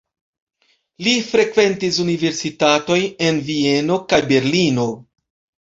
Li frekventis universitatojn en Vieno kaj Berlino.